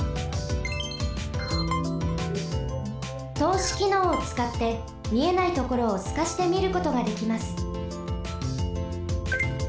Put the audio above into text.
とうしきのうをつかってみえないところをすかしてみることができます。